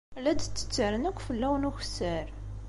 La d-ttettren akk fell-awen ukessar.